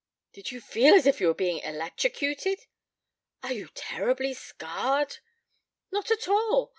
"Did you feel as if you were being electrocuted?" "Are you terribly scarred?" "Not at all.